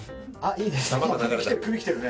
いいですね。